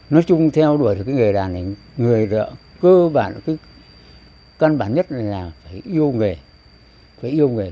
nói chung theo đuổi cái nghề đàn này người cơ bản cái căn bản nhất là phải yêu nghề